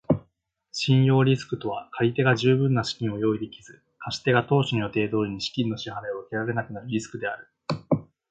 信用リスクとは借り手が十分な資金を用意できず、貸し手が当初の予定通りに資金の支払を受けられなくなるリスクである。